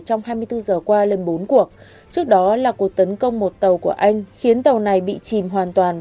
trong hai mươi bốn giờ qua lên bốn cuộc trước đó là cuộc tấn công một tàu của anh khiến tàu này bị chìm hoàn toàn